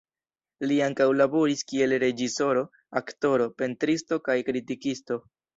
Li ankaŭ laboris kiel reĝisoro, aktoro, pentristo kaj kritikisto.